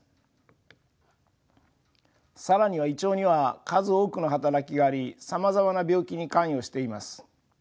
更には胃腸には数多くの働きがありさまざまな病気に関与しています。